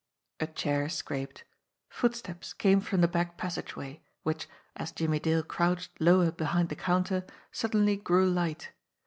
A chair scraped. Footsteps came from the back passage way, which, as Jimmie Dale crouched lower behind the counter, suddenly grew light.